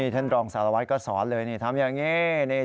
ท่านรองสารวัตรก็สอนเลยทำอย่างนี้